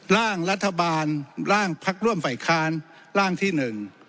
ร่างรัฐบาลร่างพักร่วมฝ่ายค้านร่างที่หนึ่ง